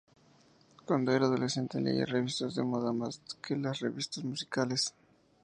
Cuando era adolescente leía revistas de moda más que las revistas musicales.